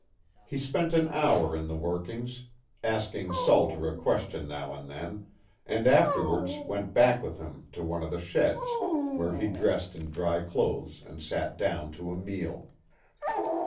He spent an hour in the workings, asking Salter a question now and then, and afterwards went back with him to one of the sheds, where he dressed in dry clothes and sat down to a meal.